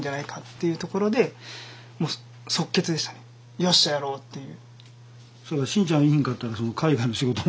「よっしゃやろう！」っていう。